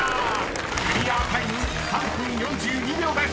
［クリアタイム３分４２秒です］